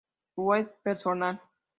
Web personal